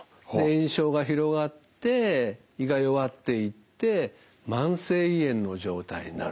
炎症が広がって胃が弱っていって慢性胃炎の状態になると。